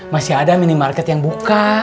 masih ada minimarket yang buka